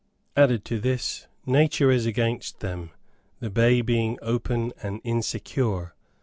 Added to this, nature is against them, the bay being open and insecure.